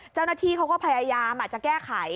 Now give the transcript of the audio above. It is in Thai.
เจ้าหน้าที่เขาก็พยายามจะแก้ไข